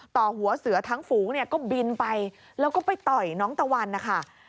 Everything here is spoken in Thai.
ต่อหัวเสือทั้งฝูงเนี่ยก็บินไปแล้วก็ไปต่อยน้องตะวันนะคะ